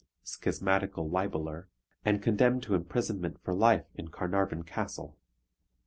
(Schismatical Libeller), and condemned to imprisonment for life in Carnarvon Castle.